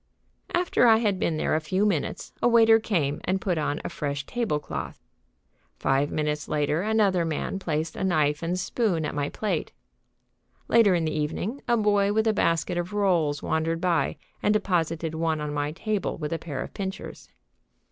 After I had been there a few minutes a waiter came and put on a fresh table cloth. Five minutes later another man placed a knife and spoon at my plate. Later in the evening a boy with a basket of rolls wandered by and deposited one on my table with a pair of pincers.